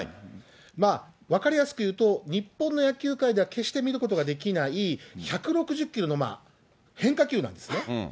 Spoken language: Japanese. まあ、分かりやすく言うと、日本の野球界では決して見ることができない、１６０キロの変化球なんですね。